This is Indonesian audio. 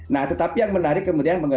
nah tetapi yang menarik kemudian